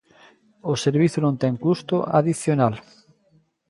O servizo non ten custo adicional.